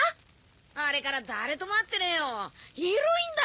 あれから誰とも会ってねえよ広いんだ